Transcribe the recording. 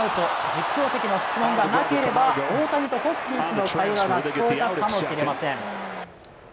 実況席の質問がなければ大谷とホスキンスの会話が聞こえたかもしれません。